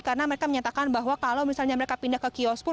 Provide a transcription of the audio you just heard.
karena mereka menyatakan bahwa kalau misalnya mereka pindah ke kios pun